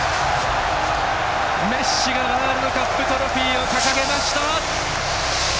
メッシがワールドカップトロフィーを掲げました！